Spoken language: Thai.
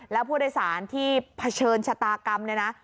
แล้วผู้โดยสารที่เผชิญชะตากรรมเนี่ยนะ